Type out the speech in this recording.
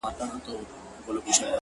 چي كله مخ ښكاره كړي ماته ځېرسي اې ه،